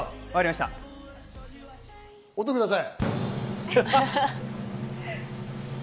音ください。